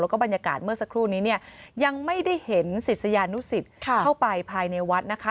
แล้วก็บรรยากาศเมื่อสักครู่นี้เนี่ยยังไม่ได้เห็นศิษยานุสิตเข้าไปภายในวัดนะคะ